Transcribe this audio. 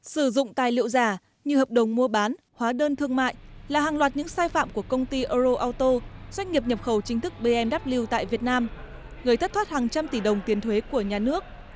sử dụng tài liệu giả như hợp đồng mua bán hóa đơn thương mại là hàng loạt những sai phạm của công ty euro auto doanh nghiệp nhập khẩu chính thức bmw tại việt nam gây thất thoát hàng trăm tỷ đồng tiền thuế của nhà nước